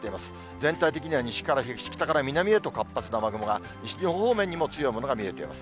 全体的には西から東、北から南へと活発な雨雲が、西日本方面にも強いものが見えています。